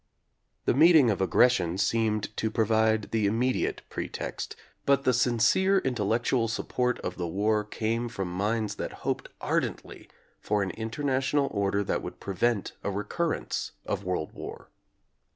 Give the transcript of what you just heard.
The meeting of aggression seemed to provide the immediate pre text, but the sincere intellectual support of the war came from minds that hoped ardently for an international order that would prevent a recur rence of world war.